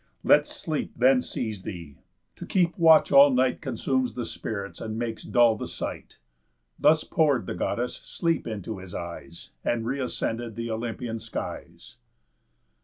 Let sleep then seize thee. To keep watch all night Consumes the spirits, and makes dull the sight." Thus pour'd the Goddess sleep into his eyes, And reascended the Olympian skies.